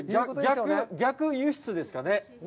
逆輸出ですかね。